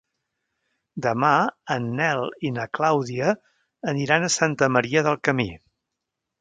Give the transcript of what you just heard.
Demà en Nel i na Clàudia aniran a Santa Maria del Camí.